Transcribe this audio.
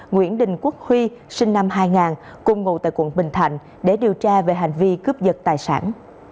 nguyễn đình quốc huy sinh năm hai nghìn cùng ngụ tại quận bình thạnh để điều tra về hành vi cướp giật tài sản